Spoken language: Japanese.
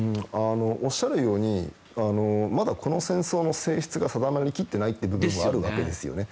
おっしゃるようにまだ、この戦争の性質が定まりきってないという部分はあるわけですよね。